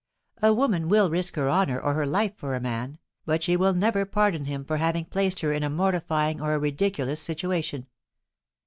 A woman will risk her honour or her life for a man, but she will never pardon him for having placed her in a mortifying or a ridiculous situation.